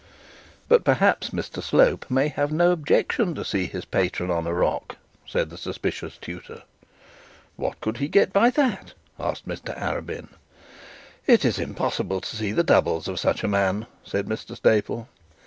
'But perhaps Mr Slope may have no objection to see his patron on a rock,' said the suspicious tutor. 'What could he get by that?' asked Mr Arabin. 'It is impossible to see the doubles of such a man,' said Mr Staple.